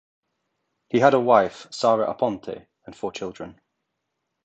He had a wife, Sara Aponte, and four children.